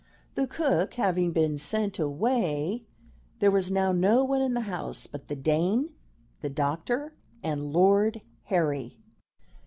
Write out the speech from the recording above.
The cook having been sent away, there was now no one in the house but the Dane, the doctor, and Lord Harry.